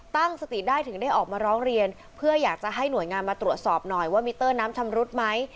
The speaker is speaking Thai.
ตั้งสติได้ถึงได้ออกมาร้องเรียนเพื่ออยากจะให้หน่วยงานมาตรวจสอบหน่อยว่ามิเตอร์น้ำชำรุดไหม